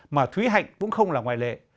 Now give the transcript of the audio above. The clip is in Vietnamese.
mà thúy hạnh cũng không là ngoại lệ